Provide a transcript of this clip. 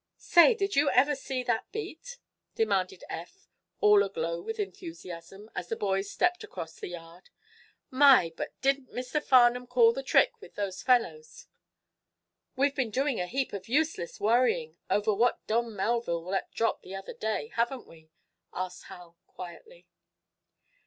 "Say, did you ever see that beat?" demanded Eph, all aglow with enthusiasm, as the boys stepped across the yard. "My, but didn't Mr. Farnum call the trick with those fellows?" "We've been doing a heap of useless worrying over what Don Melville let drop the other day, haven't we?" asked Hal, quietly.